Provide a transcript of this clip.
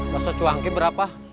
basta cuanki berapa